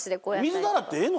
水で洗ってええの？